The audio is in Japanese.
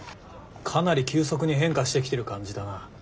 かなり急速に変化してきてる感じだな。